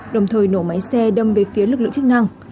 đồng thời nổ máy xe đâm về phía lực lượng chức năng